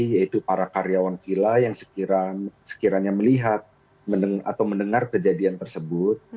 yaitu para karyawan vila yang sekiranya melihat atau mendengar kejadian tersebut